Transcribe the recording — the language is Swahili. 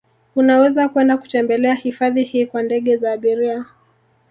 Unaweza kwenda kutembelea hifadhi hii kwa ndege za abiria